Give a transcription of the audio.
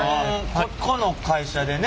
ここの会社でね